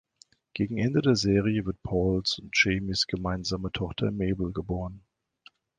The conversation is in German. Gegen Ende der Serie wird Pauls und Jamies gemeinsame Tochter Mabel geboren.